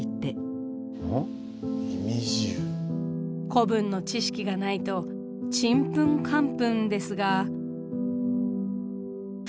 古文の知識がないとちんぷんかんぷんですが。